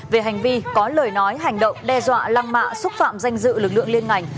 về hành vi có lời nói hành động đe dọa lăng mạ xúc phạm danh dự lực lượng liên ngành